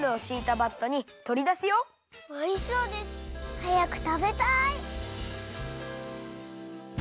はやくたべたい！